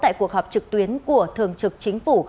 tại cuộc họp trực tuyến của thường trực chính phủ